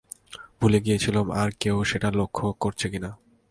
ভুলে গিয়েছিলুম আর-কেউ সেটা লক্ষ্য করছে কি না।